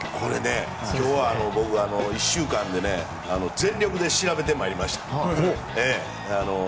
今日は僕は１週間で全力で調べてまいりました。